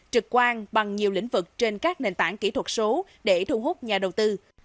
trực quan bằng nhiều lĩnh vực trên các nền tảng kỹ thuật số để thu hút nhà đầu tư